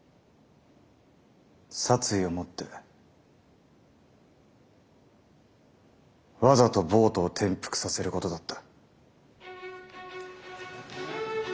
殺意をもってわざとボートを転覆させることだった。